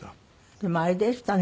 でもあれでしたね。